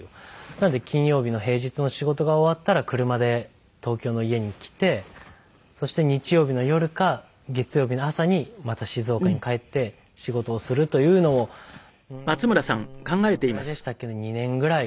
なので金曜日の平日の仕事が終わったら車で東京の家に来てそして日曜日の夜か月曜日の朝にまた静岡に帰って仕事をするというのをうーんどのぐらいでしたっけね２年ぐらい。